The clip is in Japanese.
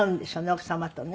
奥様とね。